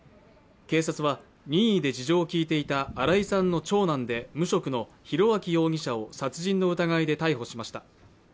警察は任意で事情を聴いていた新井さんの長男で無職の裕昭容疑者を殺人の疑いで逮捕しました。